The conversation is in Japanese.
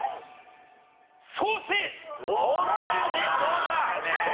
ソーセージどうだ？